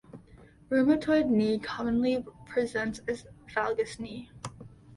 Rheumatoid knee commonly presents as valgus knee.